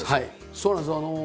そうなんですよ。